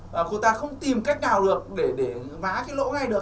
và cô ta không tìm cách nào được để vã cái lỗ ngay được